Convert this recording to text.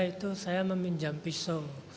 itu saya meminjam pisau